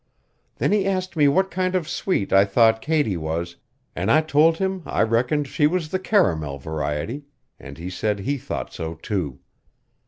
Then he asked me what kind of sweet I thought Katie was, an' I told him I reckoned she was the caramel variety, an' he said he thought so, too.